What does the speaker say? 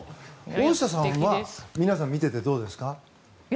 大下さんは皆さん、見ていてどうですか？